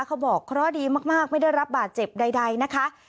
เขาบอกเคราะห์ดีมากไม่ได้รับบาดเจ็บใดนะคะ